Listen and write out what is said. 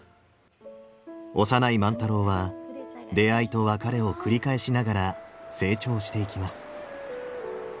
幼い万太郎は出会いと別れを繰り返しながら成長していきます。